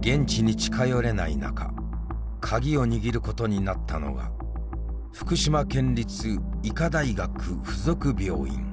現地に近寄れない中鍵を握ることになったのが福島県立医科大学附属病院。